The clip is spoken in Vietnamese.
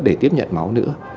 để tiếp nhận máu nữa